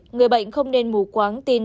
người bệnh không nên mù quáng tin